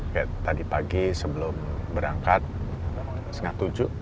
kayak tadi pagi sebelum berangkat setengah tujuh